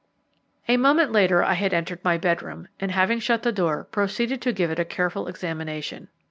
A moment later I had entered my bedroom, and having shut the door, proceeded to give it a careful examination.